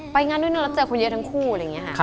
งานด้วยนั่นแล้วเจอคนเยอะทั้งคู่อะไรอย่างนี้ค่ะ